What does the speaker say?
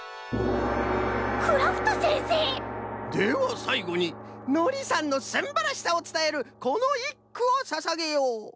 クラフトせんせい！ではさいごにのりさんのすんばらしさをつたえるこのいっくをささげよう。